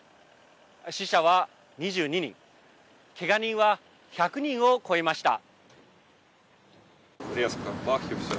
死者は２２人けが人は１００人を超えました。